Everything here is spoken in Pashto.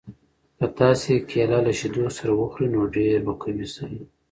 که تاسي کیله له شیدو سره وخورئ نو ډېر به قوي شئ.